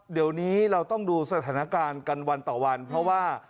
เดี๋ยวนี้เราต้องดูสถานการณ์กันวันต่อวันเพราะว่า